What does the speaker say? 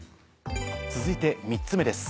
続いて３つ目です。